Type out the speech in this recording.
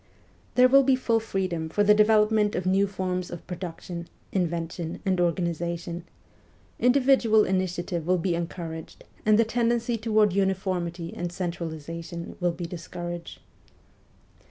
There will be full freedom for the development of new forms of production, invention, and organisation ; individual initiative will be en couraged, and the tendency toward uniformity and centralization will be discouraged.